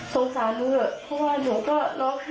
สงสารหนูเพราะว่าหนูก็ร้องให้